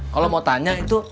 kalau mau tanya itu